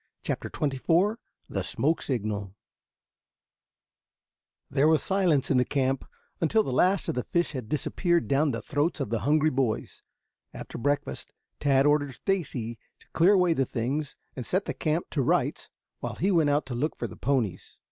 CHAPTER XXIV THE SIGNAL SMOKE There was silence in the camp until the last of the fish had disappeared down the throats of the hungry boys. After breakfast Tad ordered Stacy to clear away the things and set the camp to rights while he went out to look for the ponies.